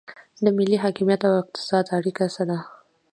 د ملي حاکمیت او اقتصاد اړیکه څه ده؟